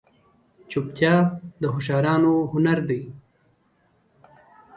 چوپتیا، د هوښیارانو هنر دی.